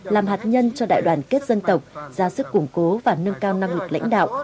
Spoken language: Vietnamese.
làm hạt nhân cho đại đoàn kết dân tộc ra sức củng cố và nâng cao năng lực lãnh đạo